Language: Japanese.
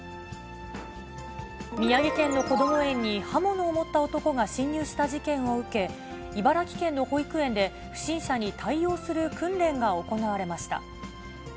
宮城県のこども園に刃物を持った男が侵入した事件を受け、茨城県の保育園で不審者に対応する訓練が行われました。